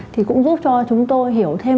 thì cũng giúp cho chúng tôi hiểu thêm